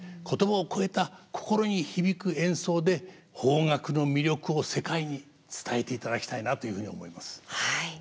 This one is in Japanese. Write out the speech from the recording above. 言葉を超えた心に響く演奏で邦楽の魅力を世界に伝えていただきたいなというふうに思います。